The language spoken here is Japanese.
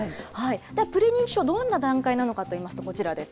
プレ認知症、どんな段階なのかといいますと、こちらです。